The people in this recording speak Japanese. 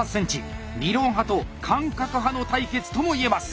理論派と感覚派の対決ともいえます。